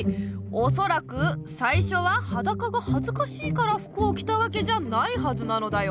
おそらくさいしょははだかがはずかしいから服をきたわけじゃないはずなのだよ。